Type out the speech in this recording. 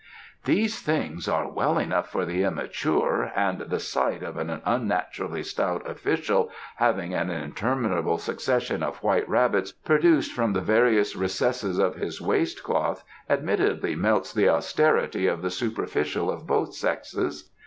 "These things are well enough for the immature, and the sight of an unnaturally stout official having an interminable succession of white rabbits produced from the various recesses of his waistcloth admittedly melts the austerity of the superficial of both sexes.